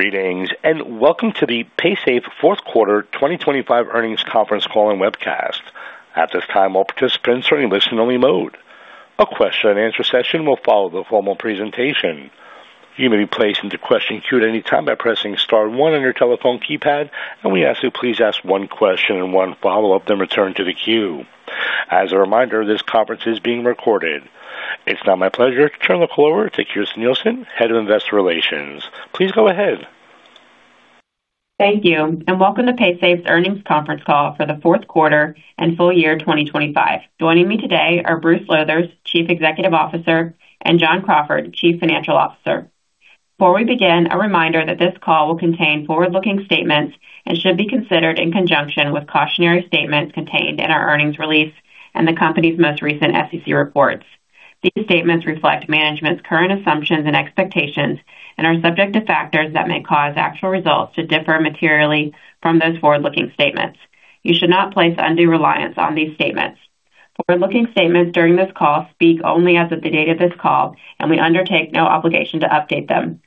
Greetings, welcome to the Paysafe fourth quarter 2025 earnings conference call and webcast. At this time, all participants are in listen-only mode. A question and answer session will follow the formal presentation. You may be placed into question queue at any time by pressing star 1 on your telephone keypad, and we ask you please ask 1 question and 1 follow-up, then return to the queue. As a reminder, this conference is being recorded. It's now my pleasure to turn the call over to Kirsten Nielsen, Head of Investor Relations. Please go ahead. Thank you. Welcome to Paysafe's earnings conference call for the fourth quarter and full year 2025. Joining me today are Bruce Lowthers, Chief Executive Officer, and John Crawford, Chief Financial Officer. Before we begin, a reminder that this call will contain forward-looking statements and should be considered in conjunction with cautionary statements contained in our earnings release and the company's most recent SEC reports. These statements reflect management's current assumptions and expectations and are subject to factors that may cause actual results to differ materially from those forward-looking statements. You should not place undue reliance on these statements. Forward-looking statements during this call speak only as of the date of this call. We undertake no obligation to update them.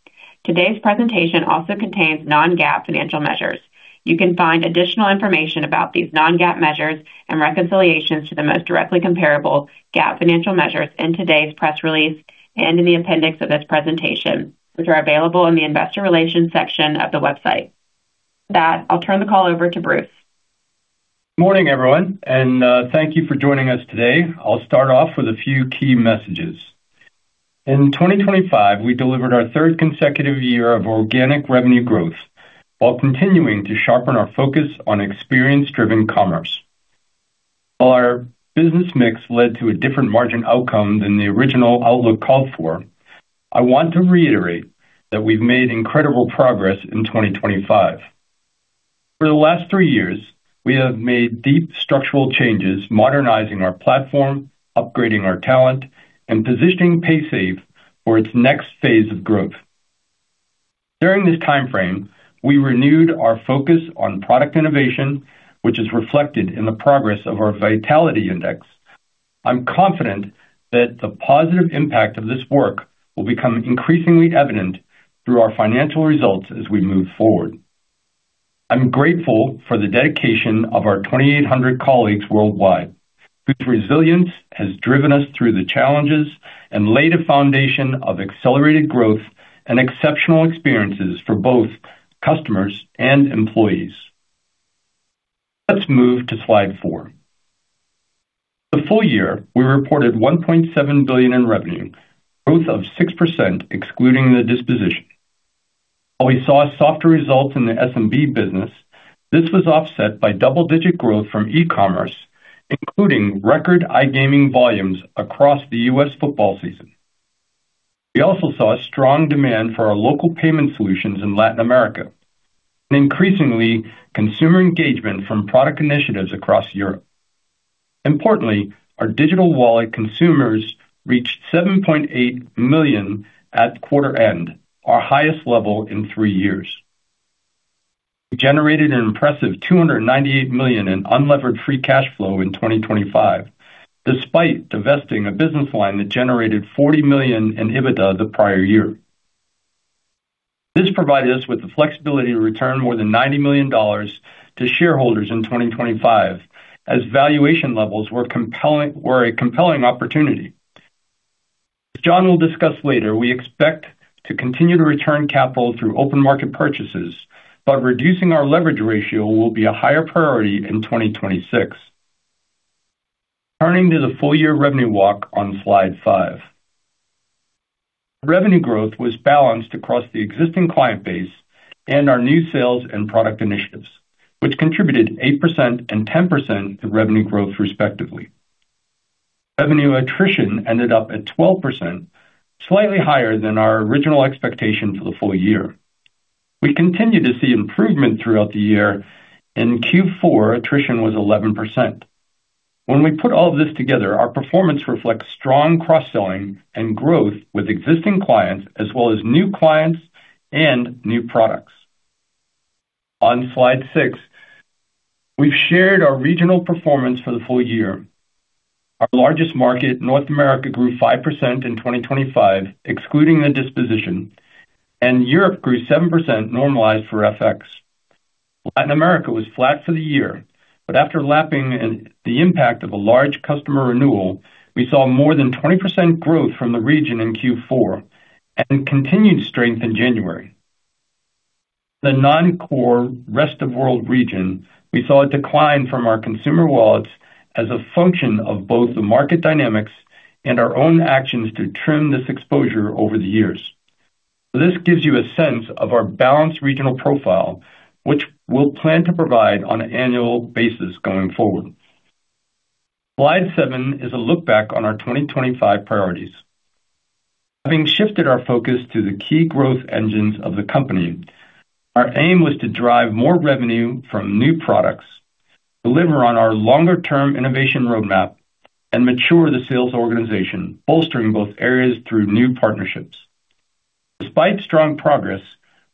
Today's presentation also contains non-GAAP financial measures. You can find additional information about these non-GAAP measures and reconciliations to the most directly comparable GAAP financial measures in today's press release and in the appendix of this presentation, which are available in the investor relations section of the website. With that, I'll turn the call over to Bruce. Morning, everyone, thank you for joining us today. I'll start off with a few key messages. In 2025, we delivered our third consecutive year of organic revenue growth while continuing to sharpen our focus on experience-driven commerce. Our business mix led to a different margin outcome than the original outlook called for. I want to reiterate that we've made incredible progress in 2025. For the last three years, we have made deep structural changes, modernizing our platform, upgrading our talent, and positioning Paysafe for its next phase of growth. During this timeframe, we renewed our focus on product innovation, which is reflected in the progress of our Vitality Index. I'm confident that the positive impact of this work will become increasingly evident through our financial results as we move forward. I'm grateful for the dedication of our 2,800 colleagues worldwide, whose resilience has driven us through the challenges and laid a foundation of accelerated growth and exceptional experiences for both customers and employees. Let's move to slide 4. The full year, we reported $1.7 billion in revenue, growth of 6% excluding the disposition. While we saw a softer result in the SMB business, this was offset by double-digit growth from e-commerce, including record iGaming volumes across the U.S. football season. We also saw a strong demand for our local payment solutions in Latin America, and increasingly consumer engagement from product initiatives across Europe. Importantly, our digital wallet consumers reached 7.8 million at quarter end, our highest level in 3 years. We generated an impressive $298 million in unlevered free cash flow in 2025, despite divesting a business line that generated $40 million in EBITDA the prior year. This provided us with the flexibility to return more than $90 million to shareholders in 2025 as valuation levels were a compelling opportunity. John will discuss later, we expect to continue to return capital through open market purchases, but reducing our leverage ratio will be a higher priority in 2026. Turning to the full-year revenue walk on slide 5. Revenue growth was balanced across the existing client base and our new sales and product initiatives, which contributed 8% and 10% to revenue growth respectively. Revenue attrition ended up at 12%, slightly higher than our original expectation for the full year. We continued to see improvement throughout the year. In Q4, attrition was 11%. We put all of this together, our performance reflects strong cross-selling and growth with existing clients as well as new clients and new products. On slide 6, we've shared our regional performance for the full year. Our largest market, North America, grew 5% in 2025, excluding the disposition, and Europe grew 7% normalized for FX. Latin America was flat for the year, after lapping and the impact of a large customer renewal, we saw more than 20% growth from the region in Q4 and continued strength in January. The non-core rest-of-world region, we saw a decline from our consumer wallets as a function of both the market dynamics and our own actions to trim this exposure over the years. This gives you a sense of our balanced regional profile, which we'll plan to provide on an annual basis going forward. Slide seven is a look back on our 2025 priorities. Having shifted our focus to the key growth engines of the company, our aim was to drive more revenue from new products, deliver on our longer-term innovation roadmap, and mature the sales organization, bolstering both areas through new partnerships. Despite strong progress,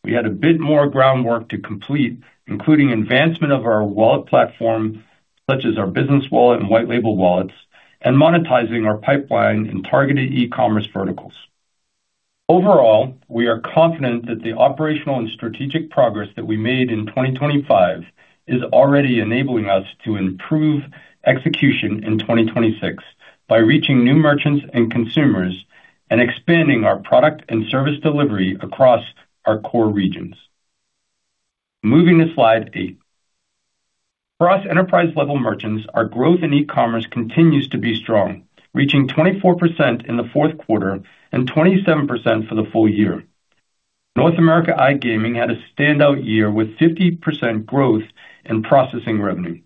we had a bit more groundwork to complete, including advancement of our wallet platform, such as our business wallet and white label wallets. Monetizing our pipeline in targeted e-commerce verticals. Overall, we are confident that the operational and strategic progress that we made in 2025 is already enabling us to improve execution in 2026 by reaching new merchants and consumers and expanding our product and service delivery across our core regions. Moving to slide 8. For us enterprise-level merchants, our growth in e-commerce continues to be strong, reaching 24% in the fourth quarter and 27% for the full year. North America iGaming had a standout year with 50% growth in processing revenue.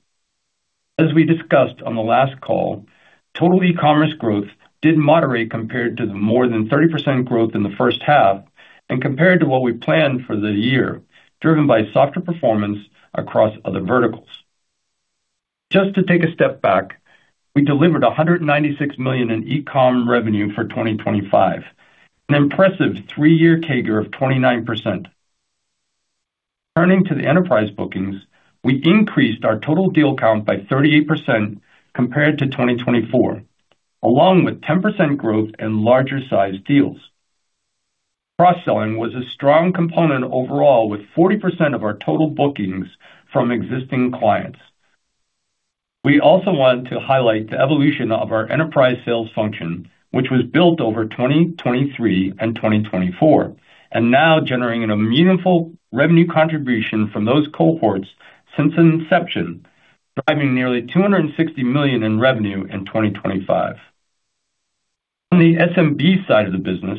As we discussed on the last call, total e-commerce growth did moderate compared to the more than 30% growth in the first half and compared to what we planned for the year, driven by softer performance across other verticals. Just to take a step back, we delivered $196 million in e-com revenue for 2025, an impressive three-year CAGR of 29%. Turning to the enterprise bookings, we increased our total deal count by 38% compared to 2024, along with 10% growth in larger sized deals. Cross-selling was a strong component overall with 40% of our total bookings from existing clients. We also want to highlight the evolution of our enterprise sales function, which was built over 2023 and 2024, and now generating a meaningful revenue contribution from those cohorts since inception, driving nearly $260 million in revenue in 2025. On the SMB side of the business,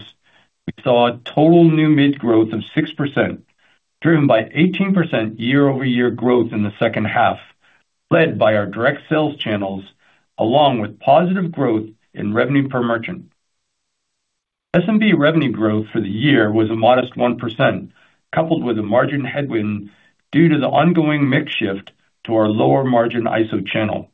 we saw a total new MID growth of 6%, driven by 18% year-over-year growth in the second half, led by our direct sales channels, along with positive growth in revenue per merchant. SMB revenue growth for the year was a modest 1%, coupled with a margin headwind due to the ongoing mix shift to our lower margin ISO channel.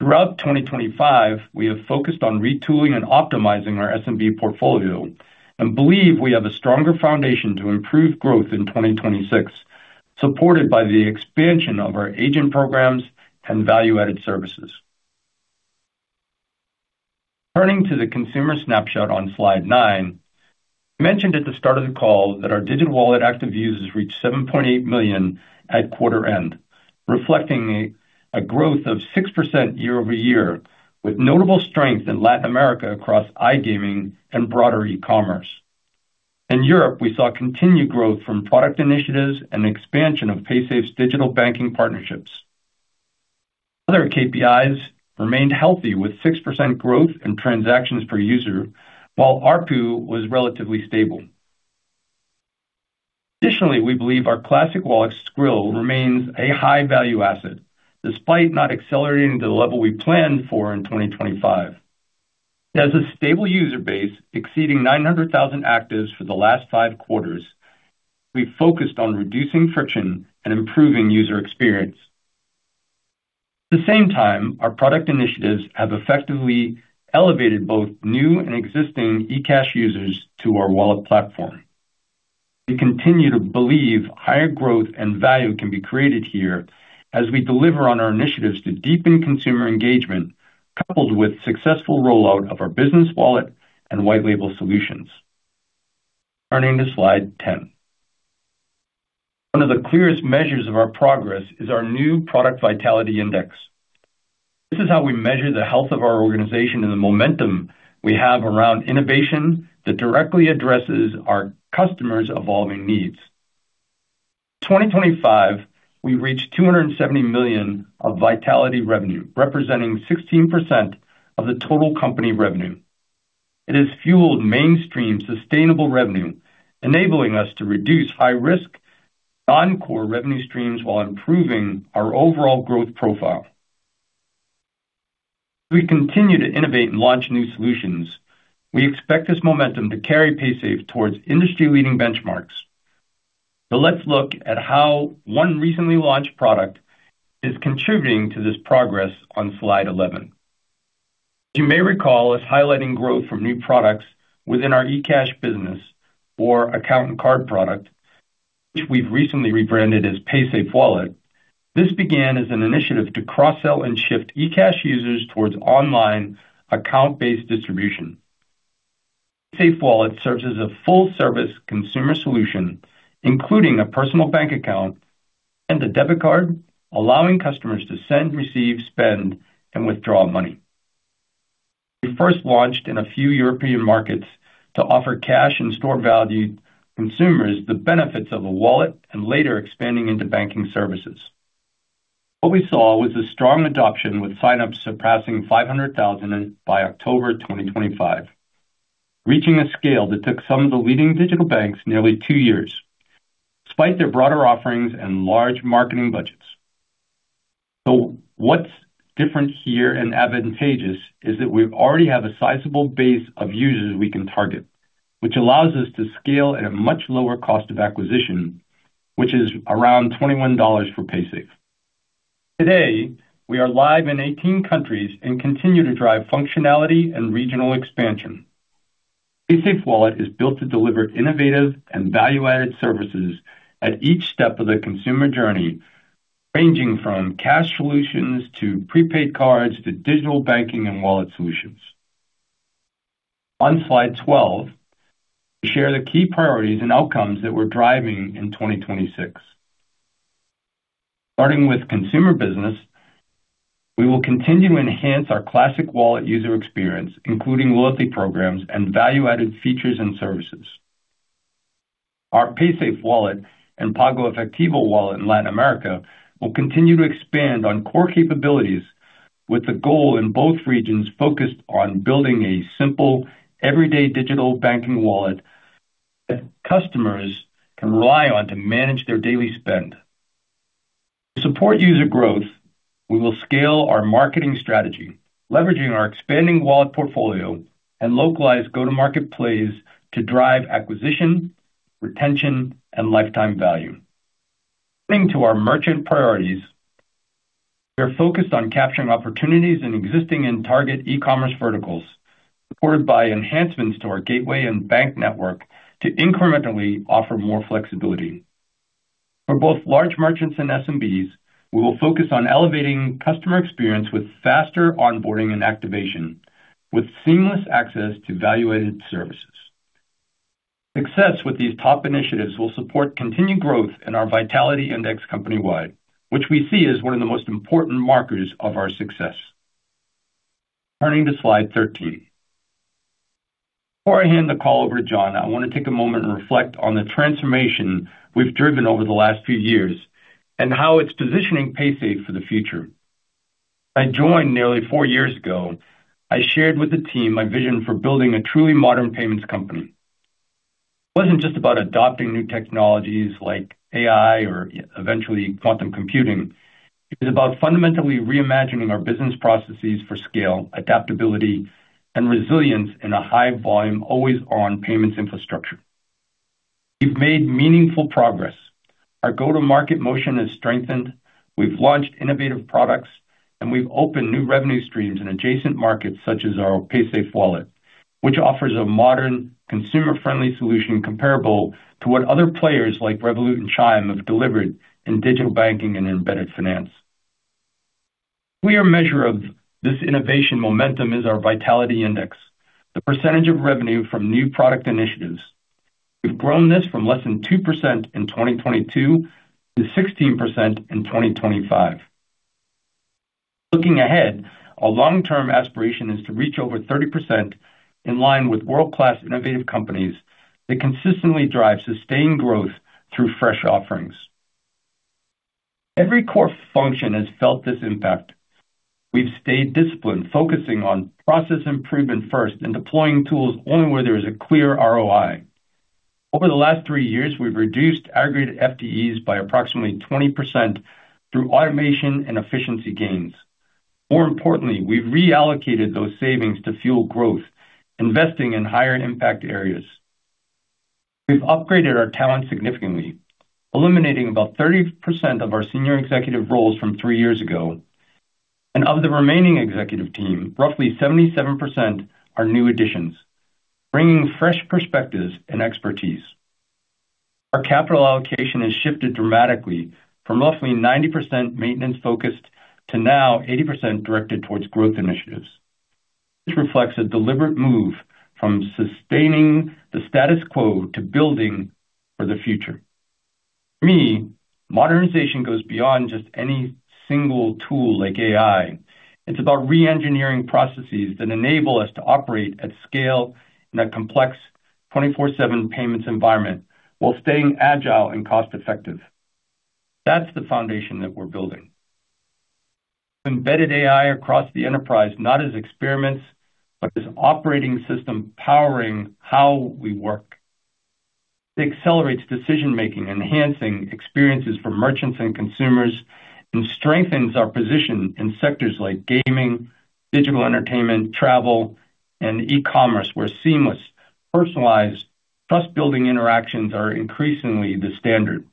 Throughout 2025, we have focused on retooling and optimizing our SMB portfolio and believe we have a stronger foundation to improve growth in 2026, supported by the expansion of our agent programs and value-added services. Turning to the consumer snapshot on slide 9. Mentioned at the start of the call that our digital wallet active users reached 7.8 million at quarter end, reflecting a growth of 6% year-over-year, with notable strength in Latin America across iGaming and broader e-commerce. In Europe, we saw continued growth from product initiatives and expansion of Paysafe's digital banking partnerships. Other KPIs remained healthy with 6% growth in transactions per user, while ARPU was relatively stable. Additionally, we believe our classic wallet Skrill remains a high-value asset, despite not accelerating to the level we planned for in 2025. It has a stable user base exceeding 900,000 actives for the last 5 quarters. We focused on reducing friction and improving user experience. At the same time, our product initiatives have effectively elevated both new and existing eCash users to our wallet platform. We continue to believe higher growth and value can be created here as we deliver on our initiatives to deepen consumer engagement, coupled with successful rollout of our business wallet and white label solutions. Turning to slide 10. One of the clearest measures of our progress is our new product Vitality Index. This is how we measure the health of our organization and the momentum we have around innovation that directly addresses our customers' evolving needs. In 2025, we reached $270 million of Vitality revenue, representing 16% of the total company revenue. It has fueled mainstream sustainable revenue, enabling us to reduce high-risk non-core revenue streams while improving our overall growth profile. We continue to innovate and launch new solutions. We expect this momentum to carry Paysafe towards industry-leading benchmarks. Let's look at how one recently launched product is contributing to this progress on slide 11. You may recall us highlighting growth from new products within our eCash business or account and card product, which we've recently rebranded as Paysafe Wallet. Paysafe Wallet serves as a full-service consumer solution, including a personal bank account and a debit card, allowing customers to send, receive, spend, and withdraw money. We first launched in a few European markets to offer cash and store value consumers the benefits of a wallet, and later expanding into banking services. What we saw was a strong adoption with sign-ups surpassing 500,000 by October 2025, reaching a scale that took some of the leading digital banks nearly 2 years, despite their broader offerings and large marketing budgets. What's different here and advantageous is that we already have a sizable base of users we can target, which allows us to scale at a much lower cost of acquisition, which is around $21 for Paysafe. Today, we are live in 18 countries and continue to drive functionality and regional expansion. Paysafe Wallet is built to deliver innovative and value-added services at each step of the consumer journey, ranging from cash solutions to prepaid cards to digital banking and wallet solutions. On slide 12, we share the key priorities and outcomes that we're driving in 2026. Starting with consumer business, we will continue to enhance our classic wallet user experience, including loyalty programs and value-added features and services. Our Paysafe Wallet and PagoEfectivo Wallet in Latin America will continue to expand on core capabilities with the goal in both regions focused on building a simple, everyday digital banking wallet that customers can rely on to manage their daily spend. To support user growth, we will scale our marketing strategy, leveraging our expanding wallet portfolio and localized go-to-market plays to drive acquisition, retention, and lifetime value. Turning to our merchant priorities, we are focused on capturing opportunities in existing and target e-commerce verticals supported by enhancements to our gateway and bank network to incrementally offer more flexibility. For both large merchants and SMBs, we will focus on elevating customer experience with faster onboarding and activation, with seamless access to value-added services. Success with these top initiatives will support continued growth in our Vitality Index company-wide, which we see as one of the most important markers of our success. Turning to slide 13. Before I hand the call over to John, I want to take a moment and reflect on the transformation we've driven over the last few years and how it's positioning Paysafe for the future. I joined nearly four years ago. I shared with the team my vision for building a truly modern payments company. It wasn't just about adopting new technologies like AI or eventually quantum computing. It was about fundamentally reimagining our business processes for scale, adaptability, and resilience in a high volume, always on payments infrastructure. We've made meaningful progress. Our go-to-market motion has strengthened. We've launched innovative products, and we've opened new revenue streams in adjacent markets such as our Paysafe Wallet, which offers a modern consumer-friendly solution comparable to what other players like Revolut and Chime have delivered in digital banking and embedded finance. We are measure of this innovation momentum is our Vitality Index, the percentage of revenue from new product initiatives. We've grown this from less than 2% in 2022 to 16% in 2025. Looking ahead, our long-term aspiration is to reach over 30% in line with world-class innovative companies that consistently drive sustained growth through fresh offerings. Every core function has felt this impact. We've stayed disciplined, focusing on process improvement first and deploying tools only where there is a clear ROI. Over the last 3 years, we've reduced aggregate FTEs by approximately 20% through automation and efficiency gains. More importantly, we've reallocated those savings to fuel growth, investing in higher impact areas. We've upgraded our talent significantly, eliminating about 30% of our senior executive roles from three years ago. Of the remaining executive team, roughly 77% are new additions, bringing fresh perspectives and expertise. Our capital allocation has shifted dramatically from roughly 90% maintenance-focused to now 80% directed towards growth initiatives. This reflects a deliberate move from sustaining the status quo to building for the future. For me, modernization goes beyond just any single tool like AI. It's about re-engineering processes that enable us to operate at scale in a complex 24/7 payments environment while staying agile and cost-effective. That's the foundation that we're building. Embedded AI across the enterprise, not as experiments, but as operating system powering how we work. It accelerates decision-making, enhancing experiences for merchants and consumers, and strengthens our position in sectors like gaming, digital entertainment, travel, and e-commerce, where seamless, personalized, trust-building interactions are increasingly the standard.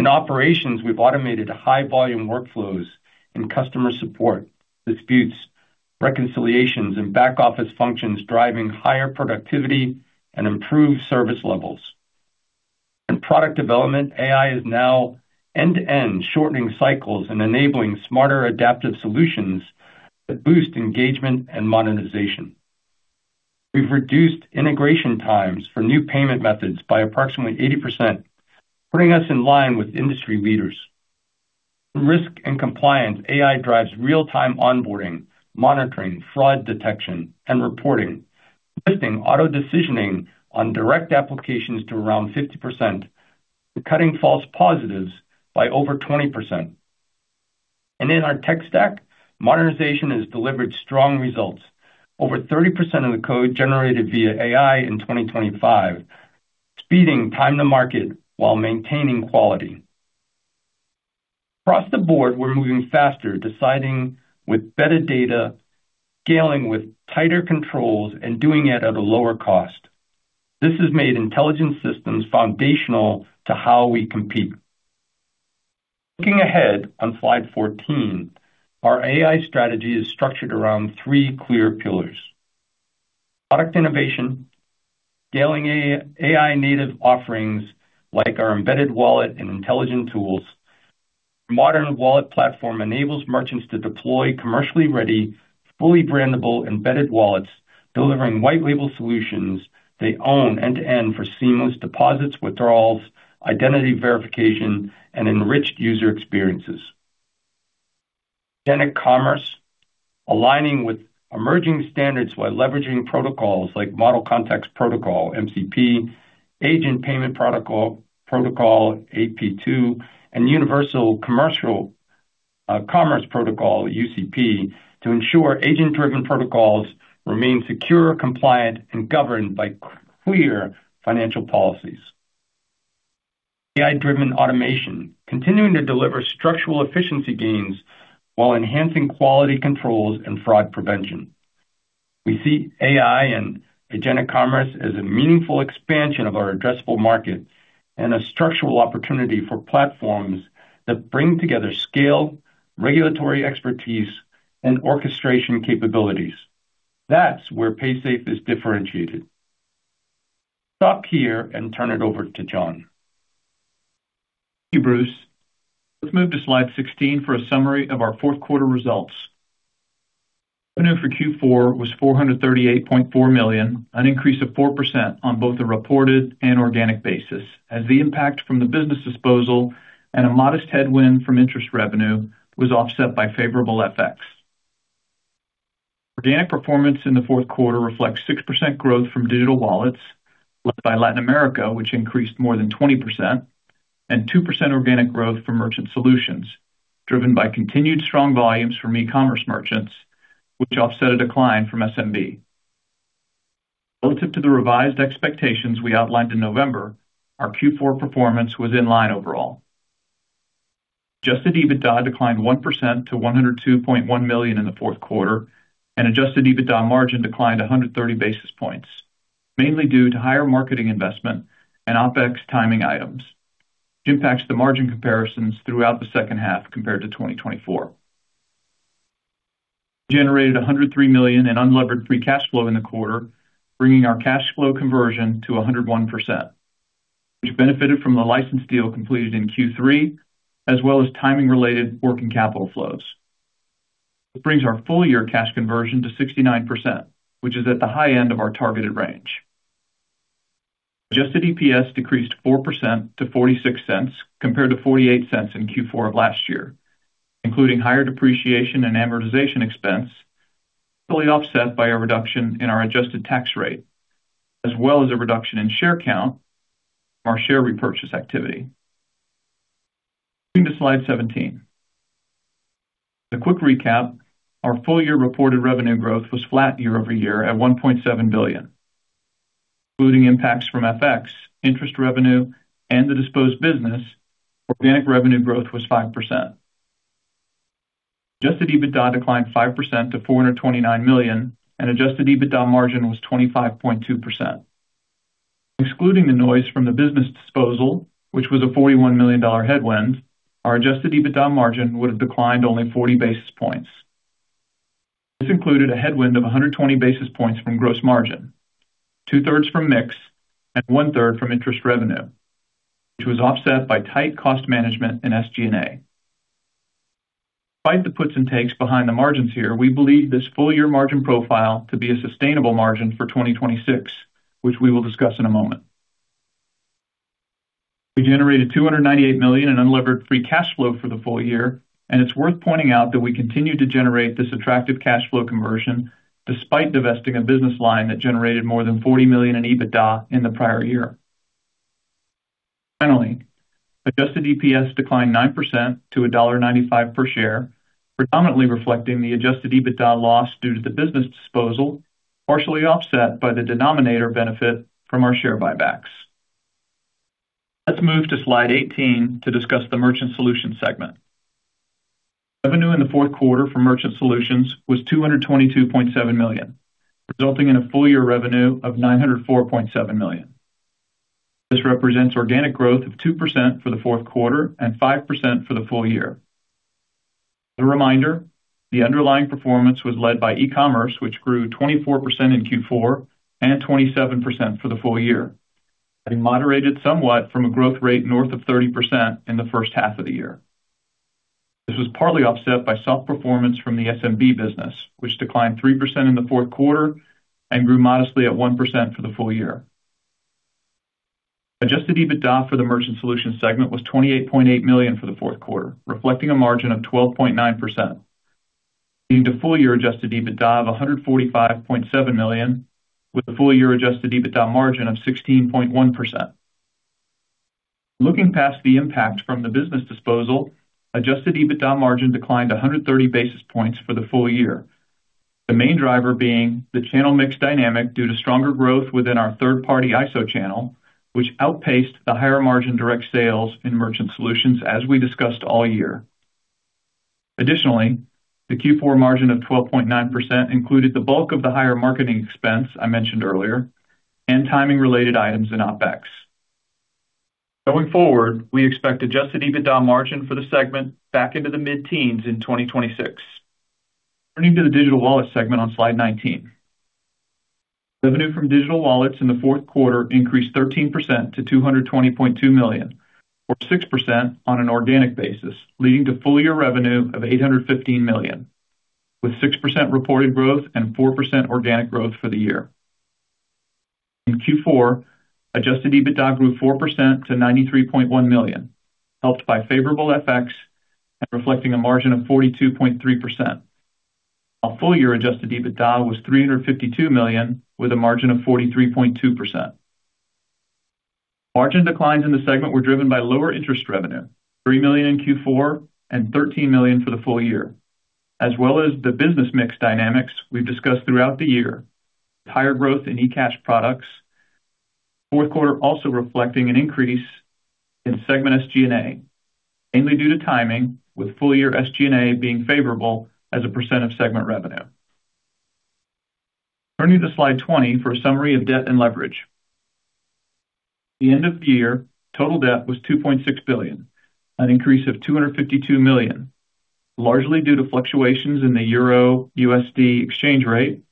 In operations, we've automated high volume workflows in customer support, disputes, reconciliations, and back-office functions, driving higher productivity and improved service levels. In product development, AI is now end-to-end shortening cycles and enabling smarter adaptive solutions that boost engagement and monetization. We've reduced integration times for new payment methods by approximately 80%, putting us in line with industry leaders. Risk and compliance AI drives real-time onboarding, monitoring, fraud detection, and reporting, lifting auto decisioning on direct applications to around 50%, cutting false positives by over 20%. In our tech stack, modernization has delivered strong results. Over 30% of the code generated via AI in 2025, speeding time to market while maintaining quality. Across the board, we're moving faster, deciding with better data, scaling with tighter controls, and doing it at a lower cost. This has made intelligent systems foundational to how we compete. Looking ahead on slide 14, our AI strategy is structured around three clear pillars. Product innovation, scaling AI native offerings like our embedded wallet and intelligent tools. Modern wallet platform enables merchants to deploy commercially ready, fully brandable embedded wallets, delivering white label solutions they own end-to-end for seamless deposits, withdrawals, identity verification, and enriched user experiences. Agent commerce, aligning with emerging standards while leveraging protocols like Model Commerce Protocol, MCP, Agent Payment Pass-Through, AP2, and Universal Commerce Protocol, UCP, to ensure agent-driven protocols remain secure, compliant, and governed by clear financial policies. AI-driven automation continuing to deliver structural efficiency gains while enhancing quality controls and fraud prevention. We see AI and agentic commerce as a meaningful expansion of our addressable market and a structural opportunity for platforms that bring together scale, regulatory expertise, and orchestration capabilities. That's where Paysafe is differentiated. Stop here and turn it over to John. Thank you, Bruce. Let's move to slide 16 for a summary of our fourth quarter results. Revenue for Q4 was $438.4 million, an increase of 4% on both a reported and organic basis, as the impact from the business disposal and a modest headwind from interest revenue was offset by favorable FX. Organic performance in the fourth quarter reflects 6% growth from digital wallets led by Latin America, which increased more than 20% and 2% organic growth for merchant solutions, driven by continued strong volumes from e-commerce merchants, which offset a decline from SMB. Relative to the revised expectations we outlined in November, our Q4 performance was in line overall. adjusted EBITDA declined 1% to $102.1 million in the fourth quarter, and adjusted EBITDA margin declined 130 basis points, mainly due to higher marketing investment and OPEX timing items, which impacts the margin comparisons throughout the second half compared to 2024. Generated $103 million in unlevered free cash flow in the quarter, bringing our cash flow conversion to 101%. Which benefited from the license deal completed in Q3, as well as timing-related working capital flows. It brings our full-year cash conversion to 69%, which is at the high end of our targeted range. Adjusted EPS decreased 4% to $0.46 compared to $0.48 in Q4 of last year, including higher depreciation and amortization expense, fully offset by a reduction in our adjusted tax rate, as well as a reduction in share count from our share repurchase activity. Moving to slide 17. A quick recap. Our full-year reported revenue growth was flat year-over-year at $1.7 billion. Excluding impacts from FX, interest revenue, and the disposed business, organic revenue growth was 5%. adjusted EBITDA declined 5% to $429 million, and adjusted EBITDA margin was 25.2%. Excluding the noise from the business disposal, which was a $41 million headwind, our adjusted EBITDA margin would have declined only 40 basis points. This included a headwind of 120 basis points from gross margin, 2/3 from mix and 1/3 from interest revenue, which was offset by tight cost management and SG&A. Despite the puts and takes behind the margins here, we believe this full-year margin profile to be a sustainable margin for 2026, which we will discuss in a moment. We generated $298 million in unlevered free cash flow for the full year, and it's worth pointing out that we continue to generate this attractive cash flow conversion despite divesting a business line that generated more than $40 million in EBITDA in the prior year. Finally, adjusted EPS declined 9% to $1.95 per share, predominantly reflecting the adjusted EBITDA loss due to the business disposal, partially offset by the denominator benefit from our share buybacks. Let's move to slide 18 to discuss the merchant solutions segment. Revenue in the fourth quarter for merchant solutions was $222.7 million, resulting in a full-year revenue of $904.7 million. This represents organic growth of 2% for the fourth quarter and 5% for the full year. As a reminder, the underlying performance was led by e-commerce, which grew 24% in Q4 and 27% for the full year, having moderated somewhat from a growth rate north of 30% in the first half of the year. This was partly offset by soft performance from the SMB business, which declined 3% in the fourth quarter and grew modestly at 1% for the full year. Adjusted EBITDA for the merchant solutions segment was $28.8 million for the fourth quarter, reflecting a margin of 12.9%. Leading to full-year adjusted EBITDA of $145.7 million, with a full-year adjusted EBITDA margin of 16.1%. Looking past the impact from the business disposal, adjusted EBITDA margin declined 130 basis points for the full year. The main driver being the channel mix dynamic due to stronger growth within our third-party ISO channel, which outpaced the higher margin direct sales in merchant solutions as we discussed all year. Additionally, the Q4 margin of 12.9% included the bulk of the higher marketing expense I mentioned earlier and timing related items in OpEx. Going forward, we expect adjusted EBITDA margin for the segment back into the mid-teens in 2026. Turning to the digital wallet segment on slide 19. Revenue from digital wallets in the fourth quarter increased 13% to $220.2 million, or 6% on an organic basis, leading to full-year revenue of $815 million, with 6% reported growth and 4% organic growth for the year. In Q4, adjusted EBITDA grew 4% to $93.1 million, helped by favorable FX and reflecting a margin of 42.3%. Our full year adjusted EBITDA was $352 million, with a margin of 43.2%. Margin declines in the segment were driven by lower interest revenue, $3 million in Q4 and $13 million for the full year, as well as the business mix dynamics we've discussed throughout the year. Higher growth in eCash products. Fourth quarter also reflecting an increase in segment SG&A, mainly due to timing with full year SG&A being favorable as a percent of segment revenue. Turning to slide 20 for a summary of debt and leverage. The end of year total debt was $2.6 billion, an increase of $252 million, largely due to fluctuations in the Euro-USD exchange rate,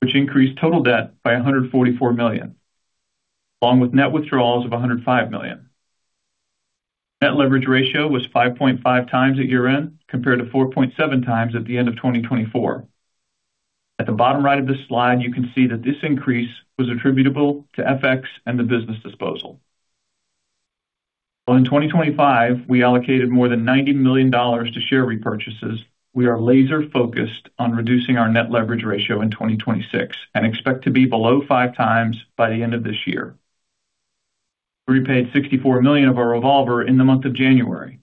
which increased total debt by $144 million, along with net withdrawals of $105 million. Net leverage ratio was 5.5 times at year-end, compared to 4.7 times at the end of 2024. At the bottom right of this slide, you can see that this increase was attributable to FX and the business disposal. While in 2025 we allocated more than $90 million to share repurchases, we are laser-focused on reducing our net leverage ratio in 2026 and expect to be below 5 times by the end of this year. We repaid $64 million of our revolver in the month of January.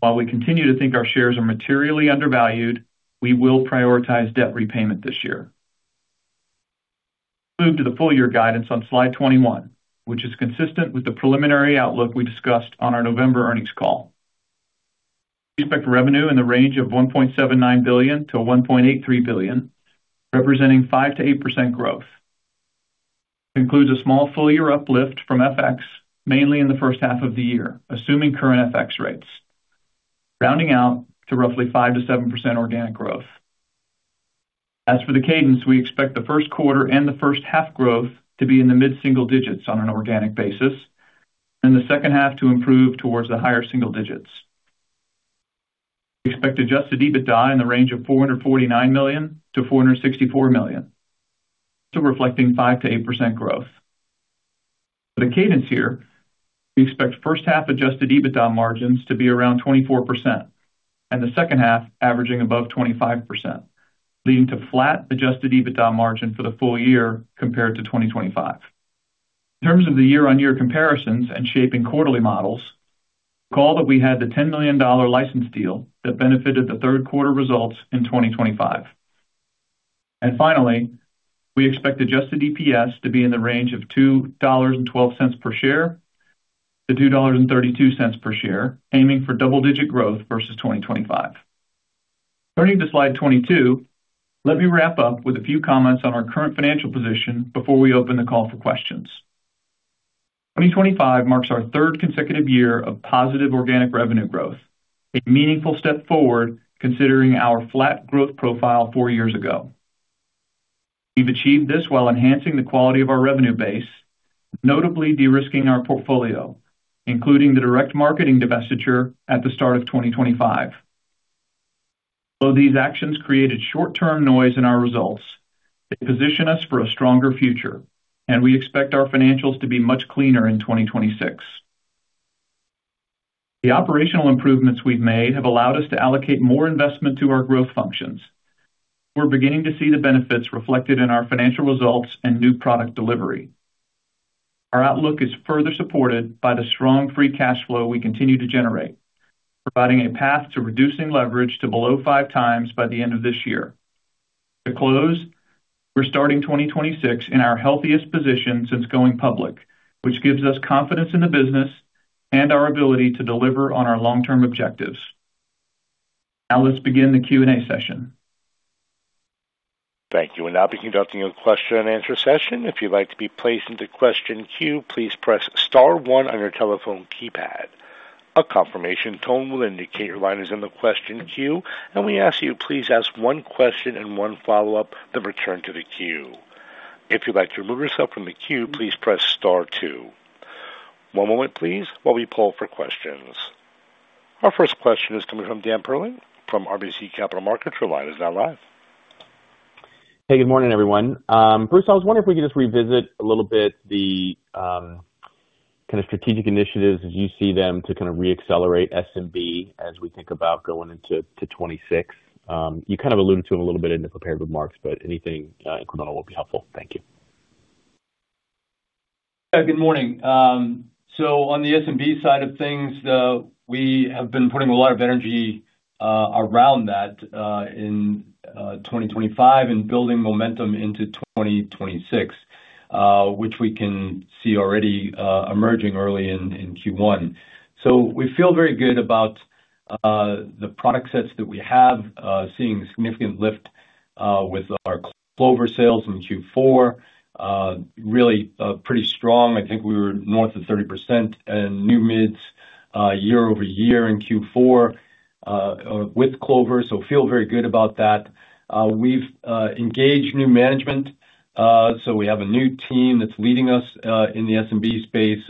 While we continue to think our shares are materially undervalued, we will prioritize debt repayment this year. Move to the full year guidance on slide 21, which is consistent with the preliminary outlook we discussed on our November earnings call. We expect revenue in the range of $1.79 billion-$1.83 billion, representing 5%-8% growth. Includes a small full-year uplift from FX, mainly in the first half of the year, assuming current FX rates. Rounding out to roughly 5%-7% organic growth. As for the cadence, we expect the first quarter and the first half growth to be in the mid-single digits on an organic basis, and the second half to improve towards the higher single digits. We expect adjusted EBITDA in the range of $449 million-$464 million, so reflecting 5%-8% growth. The cadence here, we expect first half adjusted EBITDA margins to be around 24% and the second half averaging above 25%, leading to flat adjusted EBITDA margin for the full year compared to 2025. In terms of the year-on-year comparisons and shaping quarterly models, recall that we had the $10 million license deal that benefited the third quarter results in 2025. Finally, we expect adjusted EPS to be in the range of $2.12 per share-$2.32 per share, aiming for double-digit growth versus 2025. Turning to slide 22, let me wrap up with a few comments on our current financial position before we open the call for questions. 2025 marks our third consecutive year of positive organic revenue growth, a meaningful step forward considering our flat growth profile four years ago. We've achieved this while enhancing the quality of our revenue base, notably de-risking our portfolio, including the direct marketing divestiture at the start of 2025. These actions created short-term noise in our results, they position us for a stronger future, and we expect our financials to be much cleaner in 2026. The operational improvements we've made have allowed us to allocate more investment to our growth functions. We're beginning to see the benefits reflected in our financial results and new product delivery. Our outlook is further supported by the strong free cash flow we continue to generate, providing a path to reducing leverage to below five times by the end of this year. To close, we're starting 2026 in our healthiest position since going public, which gives us confidence in the business and our ability to deliver on our long-term objectives. Let's begin the Q&A session. Thank you. We'll now be conducting a question and answer session. If you'd like to be placed into question queue, please press star one on your telephone keypad. A confirmation tone will indicate your line is in the question queue, and we ask you please ask 1 question and 1 follow-up, then return to the queue. If you'd like to remove yourself from the queue, please press star two. 1 moment please while we poll for questions. Our 1st question is coming from Daniel Perlin from RBC Capital Markets. Your line is now live. Hey, good morning, everyone. Bruce, I was wondering if we could just revisit a little bit the kind of strategic initiatives as you see them to kind of re-accelerate SMB as we think about going into to 2026. You kind of alluded to it a little bit in the prepared remarks, but anything incremental will be helpful. Thank you. Yeah, good morning. On the SMB side of things, we have been putting a lot of energy around that in 2025 and building momentum into 2026. Which we can see already emerging early in Q1. We feel very good about the product sets that we have, seeing significant lift with our Clover sales in Q4. Really pretty strong. I think we were north of 30% in new MIDs year-over-year in Q4 with Clover. Feel very good about that. We've engaged new management, so we have a new team that's leading us in the SMB space.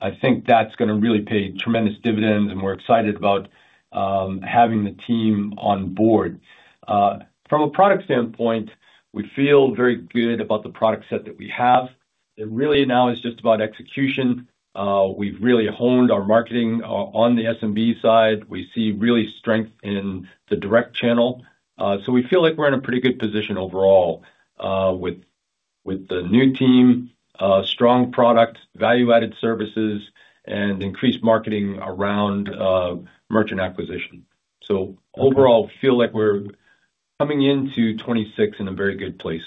I think that's gonna really pay tremendous dividends, and we're excited about having the team on board. From a product standpoint, we feel very good about the product set that we have. It really now is just about execution. We've really honed our marketing on the SMB side. We see really strength in the direct channel. We feel like we're in a pretty good position overall with the new team, strong product, value-added services, and increased marketing around merchant acquisition. Overall, feel like we're coming into 2026 in a very good place.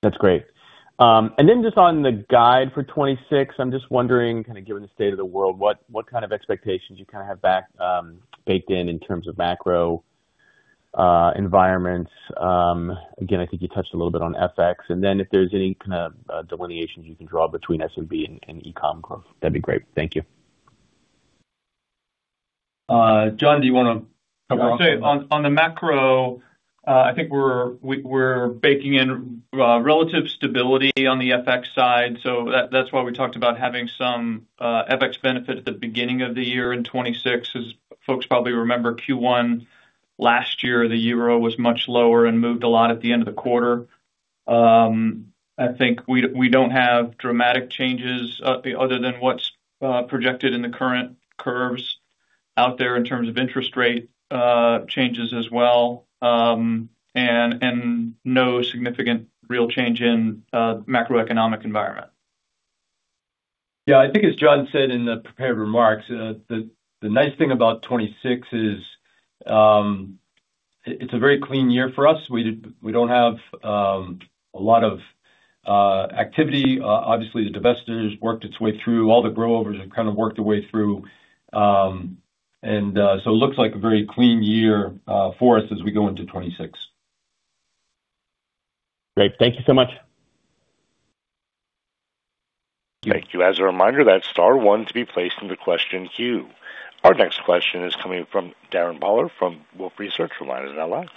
That's great. Just on the guide for 2026, I'm just wondering, kind of given the state of the world, what kind of expectations you kind of have baked in terms of macro environments. Again, I think you touched a little bit on FX. If there's any kind of delineations you can draw between SMB and e-com growth, that'd be great. Thank you. John, do you wanna cover? Yeah. On the macro, I think we're baking in relative stability on the FX side. That's why we talked about having some FX benefit at the beginning of the year in 2026. As folks probably remember, Q1 last year, the euro was much lower and moved a lot at the end of the quarter. I think we don't have dramatic changes, other than what's projected in the current curves out there in terms of interest rate changes as well, no significant real change in macroeconomic environment. Yeah. I think as John said in the prepared remarks, the nice thing about 2026 is, it's a very clean year for us. We don't have a lot of activity. Obviously, the divesture's worked its way through. All the grow-overs have kinda worked their way through. It looks like a very clean year for us as we go into 2026. Great. Thank you so much. Thank you. As a reminder, that's star one to be placed into question queue. Our next question is coming from Darrin Peller from Wolfe Research. Your line is now live.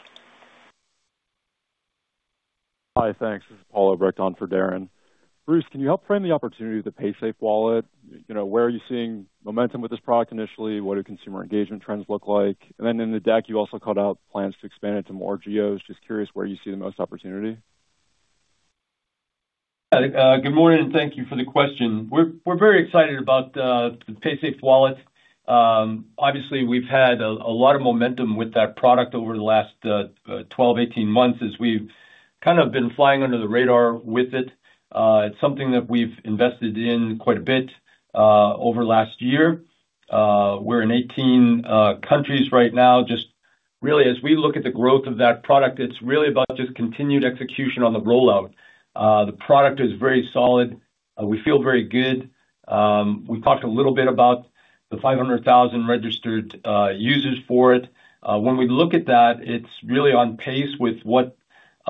Hi. Thanks. This is Paul Golding on for Darren. Bruce, can you help frame the opportunity with the Paysafe Wallet? You know, where are you seeing momentum with this product initially? What do consumer engagement trends look like? In the deck, you also called out plans to expand it to more geos. Just curious where you see the most opportunity. Good morning, and thank you for the question. We're very excited about the Paysafe Wallet. Obviously, we've had a lot of momentum with that product over the last 12, 18 months as we've kind of been flying under the radar with it. It's something that we've invested in quite a bit over last year. We're in 18 countries right now. Just really, as we look at the growth of that product, it's really about just continued execution on the rollout. The product is very solid. We feel very good. We talked a little bit about the 500,000 registered users for it. When we look at that, it's really on pace with what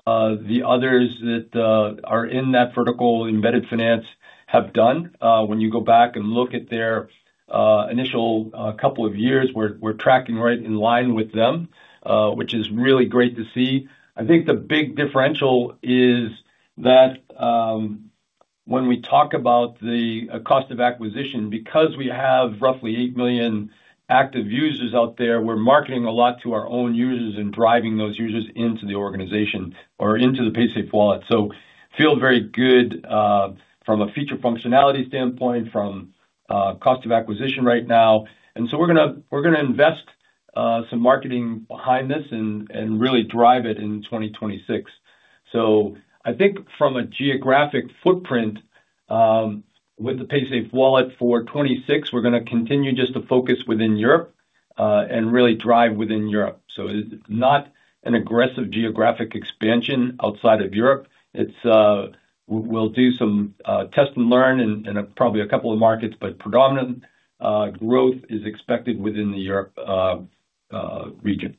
the others that are in that vertical embedded finance have done. When you go back and look at their initial couple of years, we're tracking right in line with them, which is really great to see. I think the big differential is that when we talk about the cost of acquisition, because we have roughly 8 million active users out there, we're marketing a lot to our own users and driving those users into the organization or into the Paysafe Wallet. Feel very good from a feature functionality standpoint, from cost of acquisition right now. We're gonna invest some marketing behind this and really drive it in 2026. I think from a geographic footprint, with the Paysafe Wallet for 2026, we're gonna continue just to focus within Europe and really drive within Europe. It's not an aggressive geographic expansion outside of Europe. It's, we'll do some test and learn in a probably a couple of markets, but predominant growth is expected within the Europe region.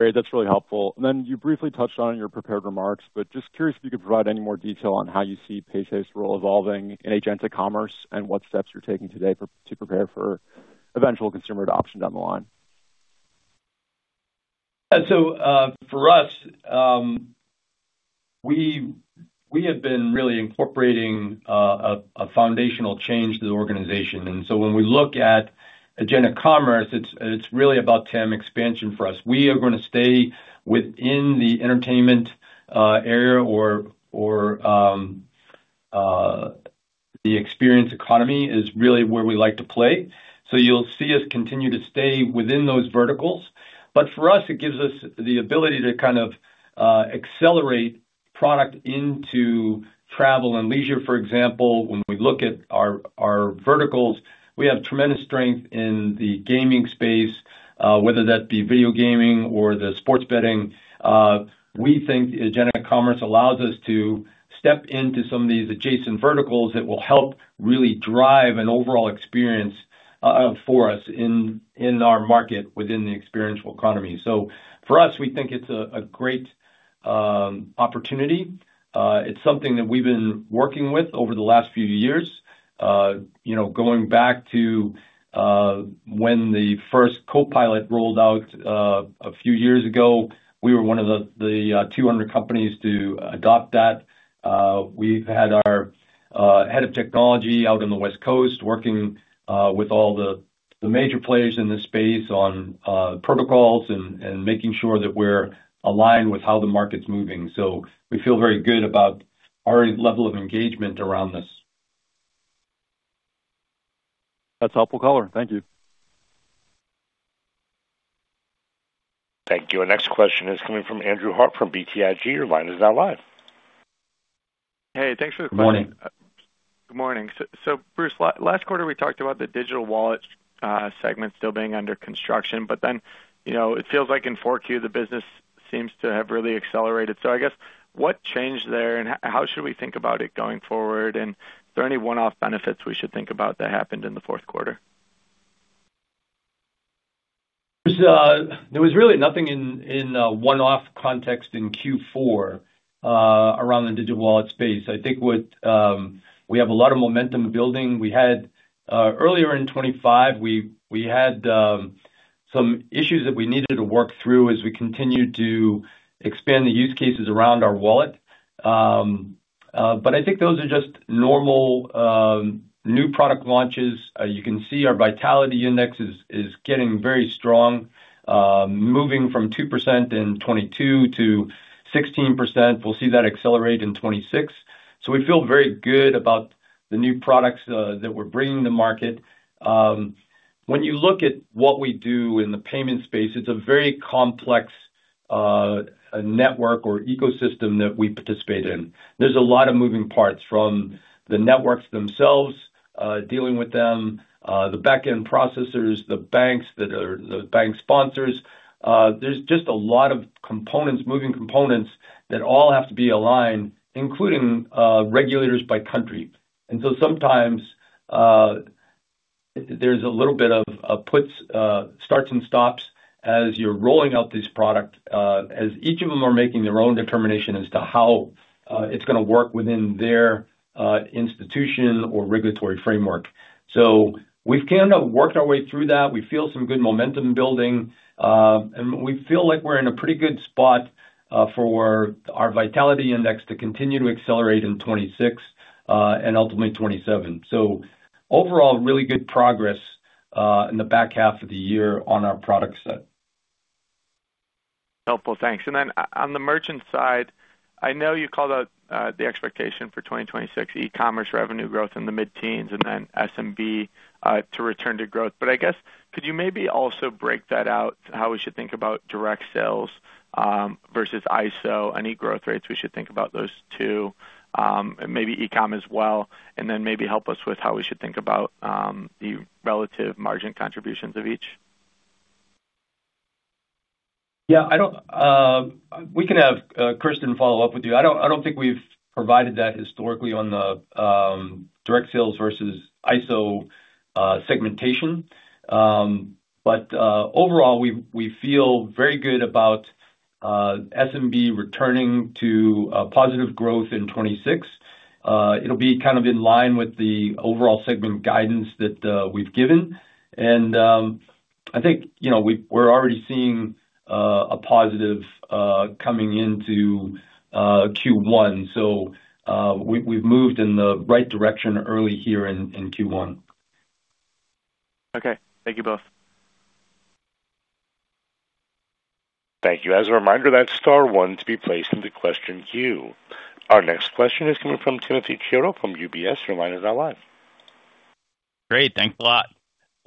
Great. That's really helpful. You briefly touched on in your prepared remarks, but just curious if you could provide any more detail on how you see Paysafe's role evolving in agentic commerce and what steps you're taking today to prepare for eventual consumer adoption down the line. For us, we have been really incorporating a foundational change to the organization. When we look at agentic commerce, it's really about TAM expansion for us. We are gonna stay within the entertainment area or the experience economy is really where we like to play. You'll see us continue to stay within those verticals. For us, it gives us the ability to kind of accelerateProduct into travel and leisure, for example. When we look at our verticals, we have tremendous strength in the gaming space, whether that be video gaming or the sports betting. We think agentic commerce allows us to step into some of these adjacent verticals that will help really drive an overall experience for us in our market within the experiential economy. For us, we think it's a great opportunity. It's something that we've been working with over the last few years. You know, going back to when the first Copilot rolled out a few years ago, we were one of the 200 companies to adopt that. We've had our head of technology out on the West Coast working with all the major players in this space on protocols and making sure that we're aligned with how the market's moving. We feel very good about our level of engagement around this. That's helpful color. Thank you. Thank you. Our next question is coming from Andrew Harte from BTIG. Your line is now live. Hey, thanks for the question. Morning. Good morning. Bruce, last quarter we talked about the digital wallet segment still being under construction, you know, it feels like in 4Q the business seems to have really accelerated. I guess what changed there, and how should we think about it going forward? Is there any one-off benefits we should think about that happened in the fourth quarter? There's, there was really nothing in one-off context in Q4 around the digital wallet space. I think what, we have a lot of momentum building. We had, earlier in 2025, we had some issues that we needed to work through as we continued to expand the use cases around our wallet. But I think those are just normal, new product launches. You can see our Vitality Index is getting very strong, moving from 2% in 2022 to 16%. We'll see that accelerate in 2026. We feel very good about the new products that we're bringing to market. When you look at what we do in the payment space, it's a very complex network or ecosystem that we participate in. There's a lot of moving parts from the networks themselves, dealing with them, the back-end processors, the banks that are the bank sponsors. There's just a lot of components, moving components that all have to be aligned, including regulators by country. Sometimes, there's a little bit of puts, starts and stops as you're rolling out this product, as each of them are making their own determination as to how it's gonna work within their institution or regulatory framework. We've kind of worked our way through that. We feel some good momentum building, and we feel like we're in a pretty good spot, for our Vitality Index to continue to accelerate in 2026, and ultimately 2027. Overall, really good progress, in the back half of the year on our product set. Helpful. Thanks. On the merchant side, I know you called out the expectation for 2026 e-commerce revenue growth in the mid-teens and then SMB to return to growth. I guess could you maybe also break that out how we should think about direct sales versus ISO? Any growth rates we should think about those two and maybe e-com as well. Maybe help us with how we should think about the relative margin contributions of each. Yeah. I don't. We can have Kirsten follow up with you. I don't think we've provided that historically on the direct sales versus ISO segmentation. Overall, we feel very good about SMB returning to positive growth in 2026. It'll be kind of in line with the overall segment guidance that we've given. I think, you know, we're already seeing a positive coming into Q1. We've moved in the right direction early here in Q1. Okay. Thank you both. Thank you. As a reminder, that's star one to be placed into question queue. Our next question is coming from Timothy Chiodo from UBS. Your line is now live. Great. Thanks a lot.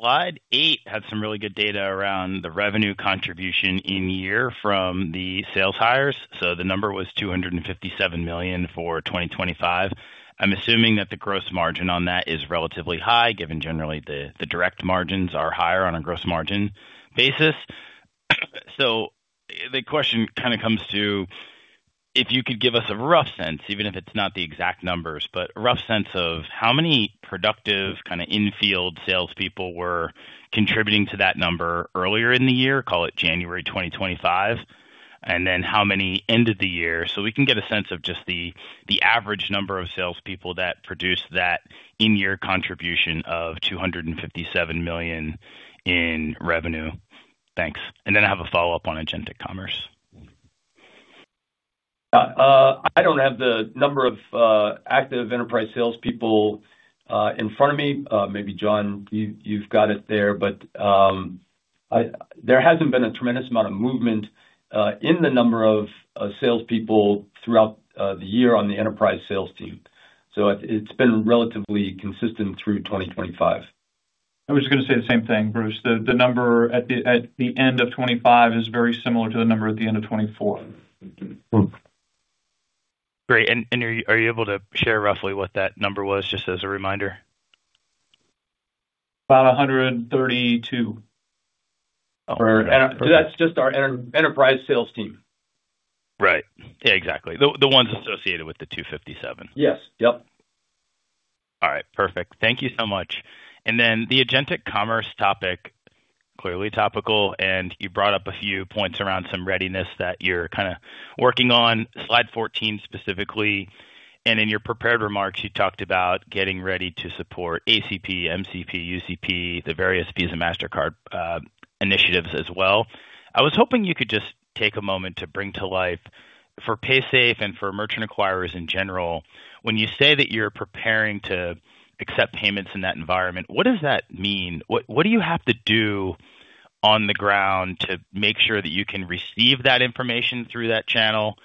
Slide 8 had some really good data around the revenue contribution in year from the sales hires. The number was $257 million for 2025. I'm assuming that the gross margin on that is relatively high, given generally the direct margins are higher on a gross margin basis. The question kind of comes to, if you could give us a rough sense, even if it's not the exact numbers, but a rough sense of how many productive kind of infield salespeople were contributing to that number earlier in the year, call it January 2025, and then how many end of the year, so we can get a sense of just the average number of salespeople that produce that in-year contribution of $257 million in revenue. Thanks. I have a follow-up on agentic commerce. I don't have the number of active enterprise salespeople in front of me. Maybe John, you've got it there, but there hasn't been a tremendous amount of movement in the number of salespeople throughout the year on the enterprise sales team. It's been relatively consistent through 2025. I was gonna say the same thing, Bruce. The number at the end of 25 is very similar to the number at the end of 24. Great. Are you able to share roughly what that number was, just as a reminder? About 132. Oh, perfect. That's just our enterprise sales team. Right. Yeah, exactly. The ones associated with the 257. Yes. Yep. All right. Perfect. Thank you so much. The agentic commerce topic, clearly topical, and you brought up a few points around some readiness that you're kinda working on, slide 14 specifically. In your prepared remarks, you talked about getting ready to support AP2, MCP, UCP, the various Visa, Mastercard, initiatives as well. I was hoping you could just take a moment to bring to life for Paysafe and for merchant acquirers in general, when you say that you're preparing to accept payments in that environment, what does that mean? What do you have to do on the ground to make sure that you can receive that information through that channel,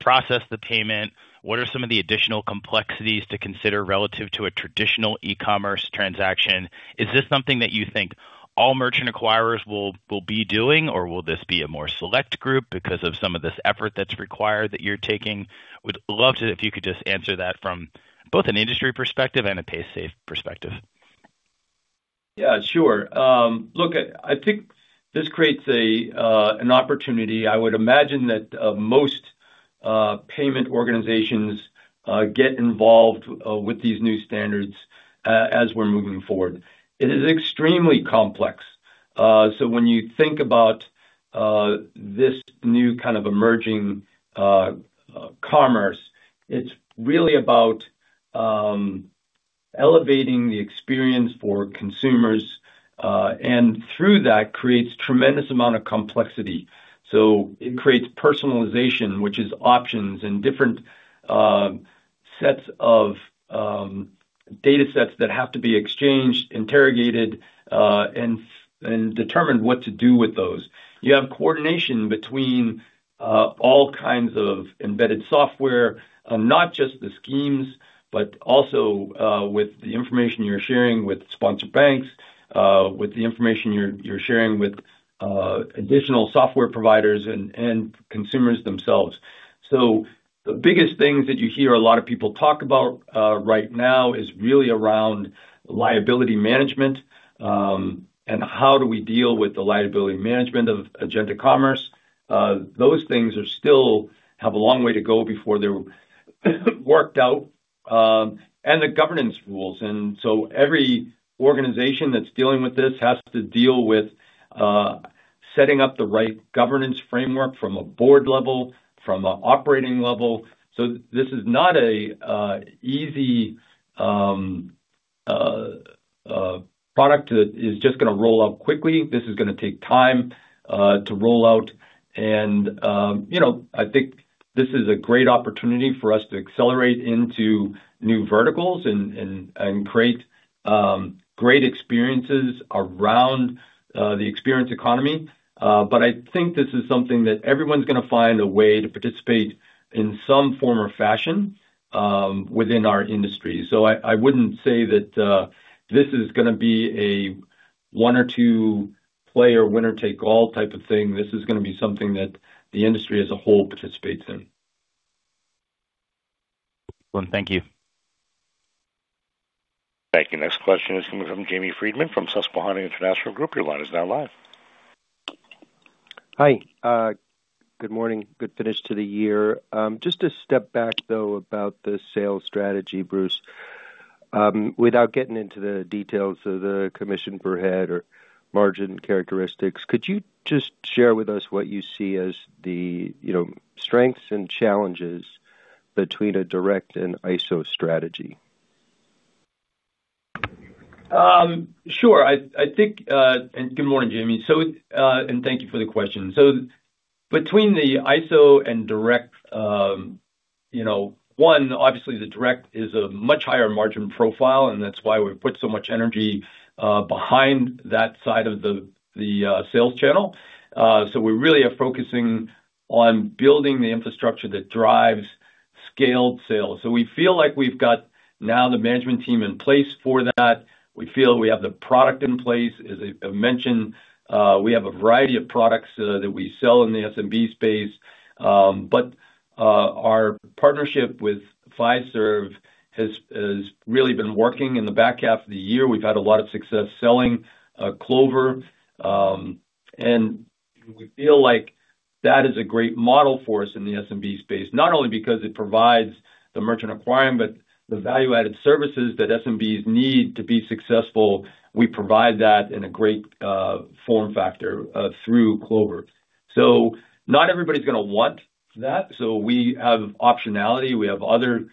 process the payment? What are some of the additional complexities to consider relative to a traditional e-commerce transaction? Is this something that you think all merchant acquirers will be doing, or will this be a more select group because of some of this effort that's required that you're taking? Would love to if you could just answer that from both an industry perspective and a Paysafe perspective. Yeah, sure. Look, I think this creates an opportunity. I would imagine that most payment organizations get involved with these new standards as we're moving forward. It is extremely complex. When you think about this new kind of emerging commerce, it's really about elevating the experience for consumers, and through that creates tremendous amount of complexity. It creates personalization, which is options and different sets of data sets that have to be exchanged, interrogated, and determined what to do with those. You have coordination between all kinds of embedded software, not just the schemes, but also with the information you're sharing with sponsor banks, with the information you're sharing with additional software providers and consumers themselves. The biggest things that you hear a lot of people talk about right now is really around liability management and how do we deal with the liability management of Agentic Commerce. Those things are still have a long way to go before they're worked out and the governance rules. Every organization that's dealing with this has to deal with setting up the right governance framework from a board level, from an operating level. This is not an easy product that is just gonna roll out quickly. This is gonna take time to roll out. You know, I think this is a great opportunity for us to accelerate into new verticals and create great experiences around the Experience Economy. I think this is something that everyone's gonna find a way to participate in some form or fashion within our industry. I wouldn't say that this is gonna be a one or two player winner-take-all type of thing. This is gonna be something that the industry as a whole participates in. Well, thank you. Thank you. Next question is coming from Jamie Friedman from Susquehanna Financial Group. Your line is now live. Hi. Good morning. Good finish to the year. Just to step back, though, about the sales strategy, Bruce. Without getting into the details of the commission per head or margin characteristics, could you just share with us what you see as the, you know, strengths and challenges between a direct and ISO strategy? Sure. I think. Good morning, Jamie. Thank you for the question. Between the ISO and direct, you know, one, obviously the direct is a much higher margin profile, and that's why we put so much energy behind that side of the sales channel. We really are focusing on building the infrastructure that drives scaled sales. We feel like we've got now the management team in place for that. We feel we have the product in place. As I mentioned, we have a variety of products that we sell in the SMB space. Our partnership with Fiserv has really been working in the back half of the year. We've had a lot of success selling Clover. We feel like that is a great model for us in the SMB space, not only because it provides the merchant acquiring, but the value-added services that SMBs need to be successful. We provide that in a great form factor through Clover. Not everybody's gonna want that. We have optionality. We have other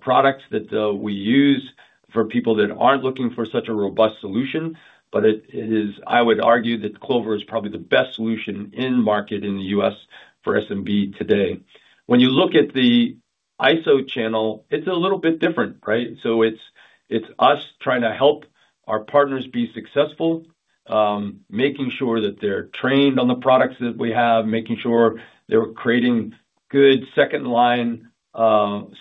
products that we use for people that aren't looking for such a robust solution. I would argue that Clover is probably the best solution in market in the U.S. for SMB today. When you look at the ISO channel, it's a little bit different, right? It's, it's us trying to help our partners be successful. Making sure that they're trained on the products that we have, making sure they're creating good second line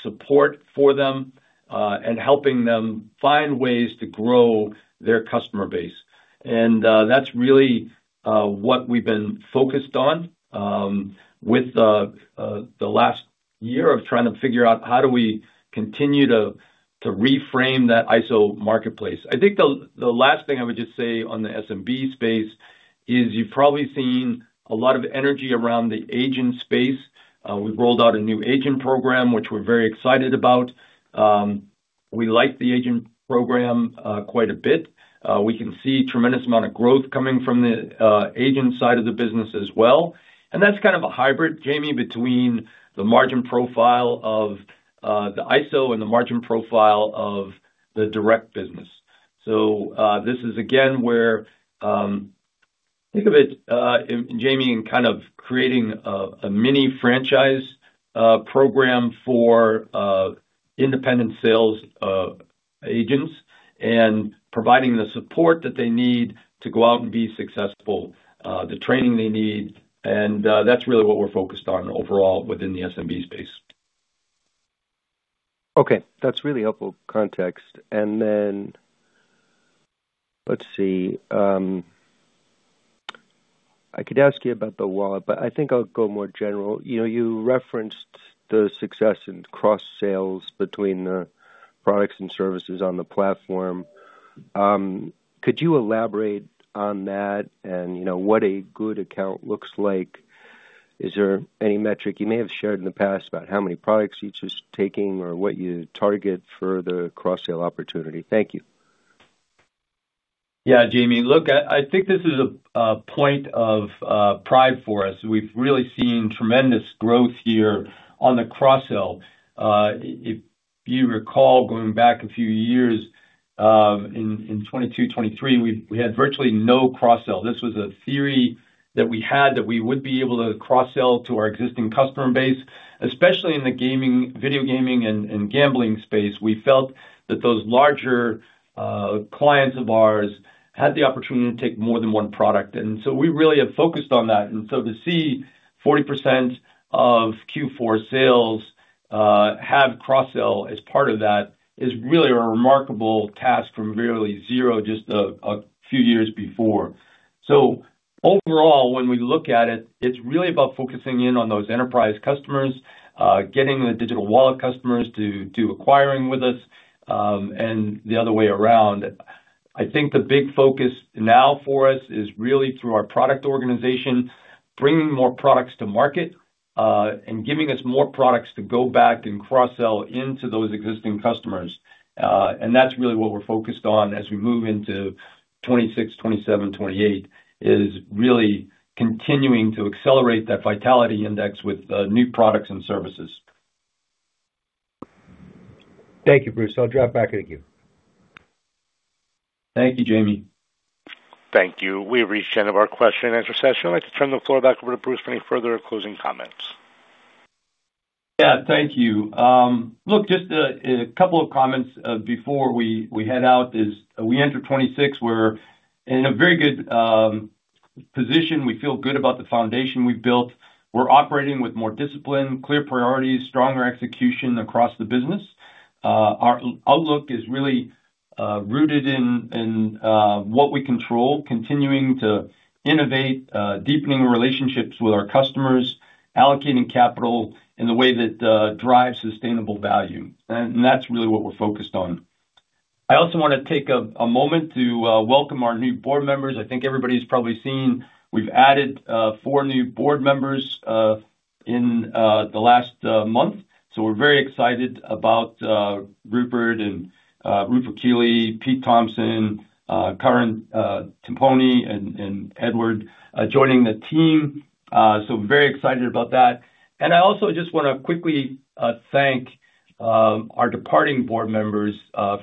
support for them, and helping them find ways to grow their customer base. That's really what we've been focused on with the last year of trying to figure out how do we continue to reframe that ISO marketplace. I think the last thing I would just say on the SMB space is you've probably seen a lot of energy around the agent space. We've rolled out a new agent program, which we're very excited about. We like the agent program quite a bit. We can see tremendous amount of growth coming from the agent side of the business as well. That's kind of a hybrid, Jamie, between the margin profile of the ISO and the margin profile of the direct business. This is again where, think of it, Jamie, in kind of creating a mini franchise program for independent sales agents and providing the support that they need to go out and be successful, the training they need. That's really what we're focused on overall within the SMB space. Okay. That's really helpful context. Let's see. I could ask you about the wallet, but I think I'll go more general. You know, you referenced the success in cross-sales between the products and services on the platform. Could you elaborate on that and, you know, what a good account looks like? Is there any metric you may have shared in the past about how many products each is taking or what you target for the cross-sale opportunity? Thank you. Yeah, Jamie. Look, I think this is a point of pride for us. We've really seen tremendous growth here on the cross-sell. If you recall, going back a few years, in 2022, 2023, we had virtually no cross-sell. This was a theory that we had that we would be able to cross-sell to our existing customer base, especially in the gaming, video gaming and gambling space. We felt that those larger clients of ours had the opportunity to take more than one product, we really have focused on that. To see 40% of Q4 sales have cross-sell as part of that is really a remarkable task from really zero just a few years before. Overall, when we look at it's really about focusing in on those enterprise customers, getting the digital wallet customers to do acquiring with us, and the other way around. I think the big focus now for us is really through our product organization, bringing more products to market, and giving us more products to go back and cross-sell into those existing customers. That's really what we're focused on as we move into 2026, 2027, 2028, is really continuing to accelerate that Vitality Index with new products and services. Thank you, Bruce. I'll drop back to you. Thank you, Jamie. Thank you. We've reached the end of our question and answer session. I'd like to turn the floor back over to Bruce for any further closing comments. Yeah. Thank you. Look, just a couple of comments before we head out is we enter 2026, we're in a very good position. We feel good about the foundation we've built. We're operating with more discipline, clear priorities, stronger execution across the business. Our outlook is really rooted in what we control, continuing to innovate, deepening relationships with our customers, allocating capital in the way that drives sustainable value. That's really what we're focused on. I also wanna take a moment to welcome our new board members. I think everybody's probably seen, we've added four new board members in the last month, we're very excited about Rupert Keeley, Pete Thompson, Karin Timpone and Eliot Wiseman joining the team. So very excited about that. I also just wanna quickly thank our departing board members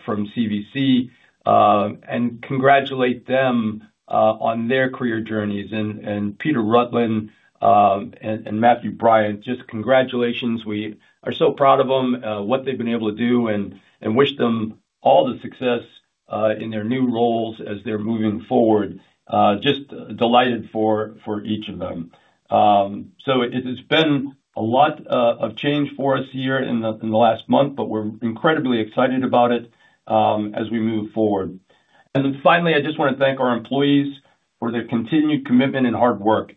from CVC and congratulate them on their career journeys. Peter Rutland and Matthew Bryant, just congratulations. We are so proud of them, what they've been able to do, and wish them all the success in their new roles as they're moving forward. Just delighted for each of them. So it's been a lot of change for us here in the last month, but we're incredibly excited about it as we move forward. Finally, I just wanna thank our employees for their continued commitment and hard work.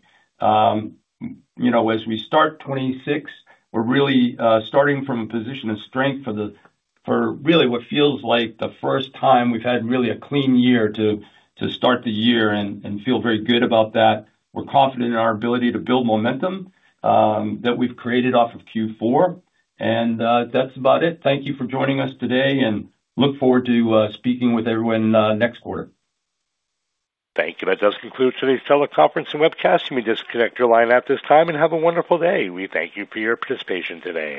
You know, as we start 2026, we're really starting from a position of strength for really what feels like the first time we've had really a clean year to start the year and feel very good about that. We're confident in our ability to build momentum that we've created off of Q4. That's about it. Thank you for joining us today and look forward to speaking with everyone next quarter. Thank you. That does conclude today's teleconference and webcast. You may disconnect your line at this time, and have a wonderful day. We thank you for your participation today.